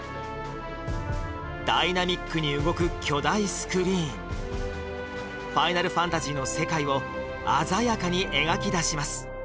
ダイナミックに動く巨大スクリーン「ファイナルファンタジー」の世界を鮮やかに描き出します・